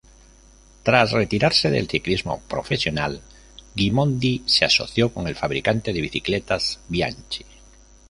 Tras retirarse del ciclismo profesional, Gimondi se asoció con el fabricante de bicicletas Bianchi.